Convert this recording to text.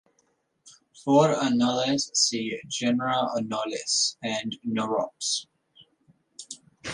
For anoles see genera "Anolis" and "Norops".